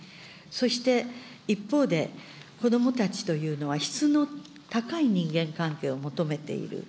そして一方で、子どもたちというのは質の高い人間関係を求めている。